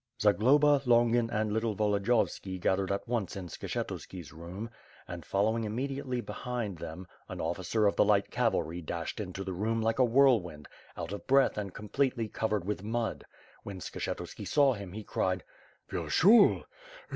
Zagloba, Ijongin and Little Volodiyovski gathered at onco in Skshetuski's room; and, following immediately behind WITB FIRE AND SWORD, S07 them, an ofiRcer of the light cavalry dashed into the room like a whirlwind, out of breath and completely covered with mud. When Skshetuski saw him he cried: "Vyershul!"